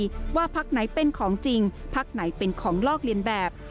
ประชาชนต้องแยกแยะให้ดีว่าพักไหนเป็นของจริงพักไหนเป็นของลอกเลียนแบบ